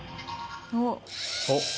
おっ。